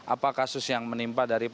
apa kasus yang menimpa dari